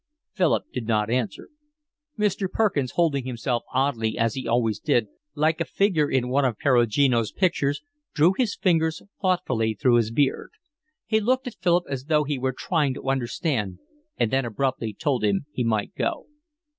Philip did not answer. Mr. Perkins, holding himself oddly as he always did, like a figure in one of Perugino's pictures, drew his fingers thoughtfully through his beard. He looked at Philip as though he were trying to understand and then abruptly told him he might go.